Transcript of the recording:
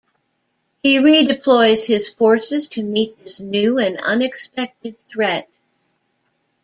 He redeploys his forces to meet this new and unexpected threat.